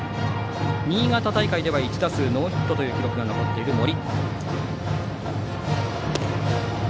新潟大会では１打数ノーヒットという記録が残っている、森。